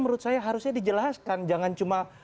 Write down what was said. menurut saya harusnya dijelaskan jangan cuma